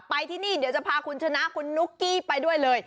ไปที่นี่เดี๋ยวจะพาคุณชนะคุณนุ๊กกี้ไปด้วยเลย